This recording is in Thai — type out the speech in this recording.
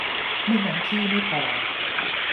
ไม่งั้นที่ไม่พอ